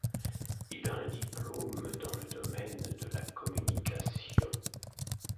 Il a un diplôme dans le domaine de la communication.